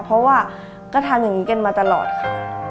เพราะว่าก็ทำอย่างนี้กันมาตลอดค่ะ